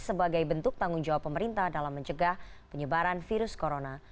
sebagai bentuk tanggung jawab pemerintah dalam mencegah penyebaran virus corona